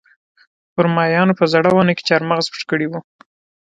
خرمایانو په زړه ونه کې چارمغز پټ کړي وو